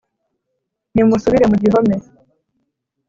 Nimusubire mu gihome